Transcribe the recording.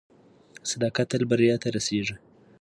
صداقت تل بریا ته رسیږي.